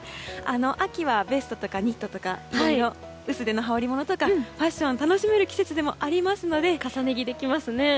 秋はベストとかニットとかいろいろ薄手の羽織りものとかファッションを楽しめる重ね着できますね。